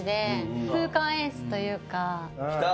来た。